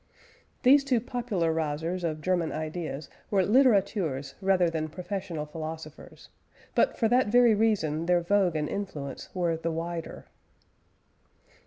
These two popularisers of German ideas were littérateurs rather than professional philosophers, but for that very reason their vogue and influence were the wider.